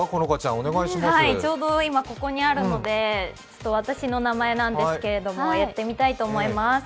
はい、ちょうど今、ここにあるので、私の名前なんですけれども、やってみたいと思います。